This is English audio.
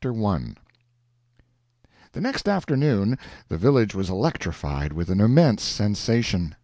PART II I The next afternoon the village was electrified with an immense sensation.